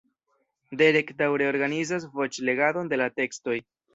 Derek daŭre organizas voĉlegadon de la tekstoj.